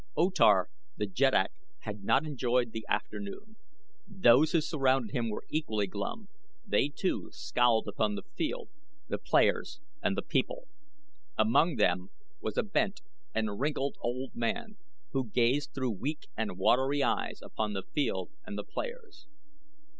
O Tar the jeddak had not enjoyed the afternoon. Those who surrounded him were equally glum they, too, scowled upon the field, the players, and the people. Among them was a bent and wrinkled old man who gazed through weak and watery eyes upon the field and the players.